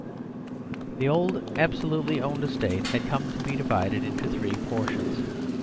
The old absolutely owned estate had come to be divided into three portions.